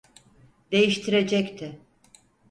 Değiştirecekti.